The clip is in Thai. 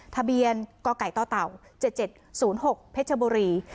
ทะเบียนกไก่ต่อเต่า๗๗๐๖เพชรบุรี